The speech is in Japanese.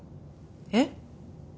えっ？